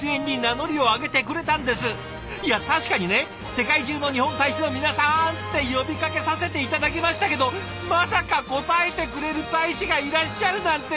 「世界中の日本大使の皆さん！」って呼びかけさせて頂きましたけどまさか応えてくれる大使がいらっしゃるなんて！